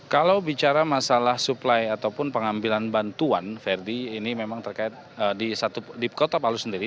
kalau bicara masalah suplai ataupun pengambilan bantuan verdi ini memang terkait di kota palu sendiri